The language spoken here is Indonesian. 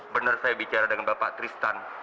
benar saya bicara dengan bapak tristan